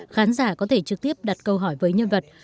khán giả có thể trực tiếp đặt câu hỏi với nhân vật